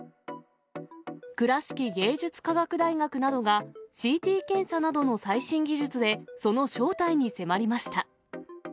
倉敷芸術科学大学などがＣＴ検査などの最新技術で、その正体に迫りました。